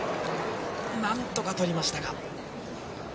なんとか取りましたが。